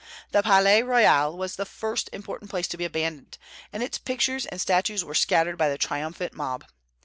The Palais Royal was the first important place to be abandoned, and its pictures and statues were scattered by the triumphant mob.